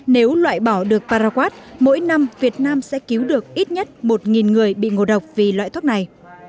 nếu loại bỏ được paraq mỗi năm việt nam sẽ cứu được ít nhất một người bị ngộ độc vì loại thuốc này